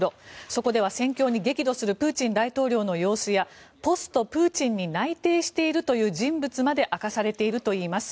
そこでは戦況に激怒するプーチン大統領の様子やポストプーチンに内定しているという人物まで明かされているといいます。